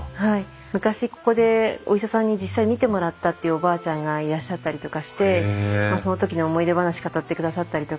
昔ここでお医者さんに実際診てもらったっていうおばあちゃんがいらっしゃったりとかしてその時の思い出話語ってくださったりとか。